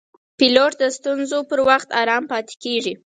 پیلوټ د ستونزو پر وخت آرام پاتې کېږي.